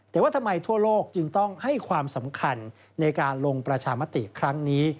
แต่ว่าทำไมทั่วโลกจึงต้องให้ความสำคัญในการลงประชามติครั้งนี้